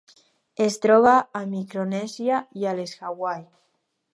Es troba a Micronèsia i a les Hawaii.